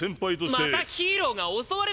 またヒーローが襲われたんすよ！